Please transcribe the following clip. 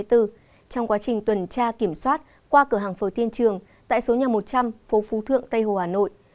trong quá trình tuần tra kiểm soát qua cửa hàng phở tiên trường tại số nhà một trăm linh phố phú thượng tp tp hải phòng